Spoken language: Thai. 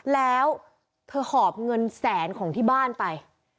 แล้วเธอหอบเงินแสนของที่บ้านไป